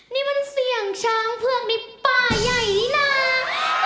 นี่มันเสี่ยงช้างเผือกในป่าใหญ่นี่นะ